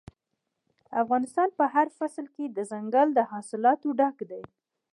افغانستان په هر فصل کې له دځنګل حاصلاتو ډک دی.